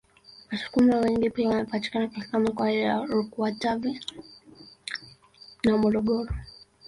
Wasukuma wengi pia wanapatikana katika mikoa ya RukwaKatavi na Morogoro